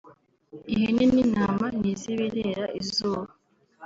ihene n’intama ntizibirera izuba